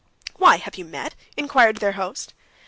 "Why, have you met?" inquired their host.